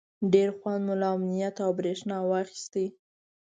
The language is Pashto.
ډېر خوند مو له امنیت او برېښنا واخیست.